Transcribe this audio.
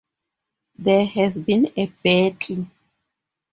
There has been a battle.